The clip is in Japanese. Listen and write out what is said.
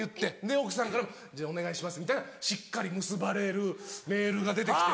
奥さんからも「じゃあお願いします」みたいなしっかり結ばれるメールが出て来て。